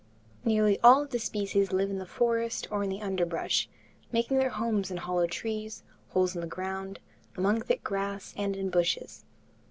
Nearly all of the species live in the forest or in the underbrush, making their homes in hollow trees, holes in the ground, among thick grass and in bushes.